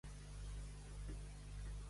Què fa per a Atena?